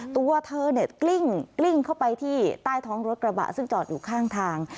ตัวเธอเนี่ยกลิ้งเข้าไปที่ใต้ท้องรถกระบะซึ่งจอดอยู่ข้างทาง